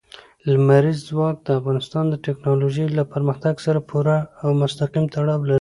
لمریز ځواک د افغانستان د تکنالوژۍ له پرمختګ سره پوره او مستقیم تړاو لري.